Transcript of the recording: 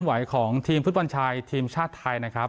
ไหวของทีมฟุตบอลชายทีมชาติไทยนะครับ